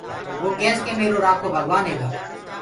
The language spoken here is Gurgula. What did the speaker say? وو ڪيس ڪي ميرو رکو ڀگوآن هيگآ۔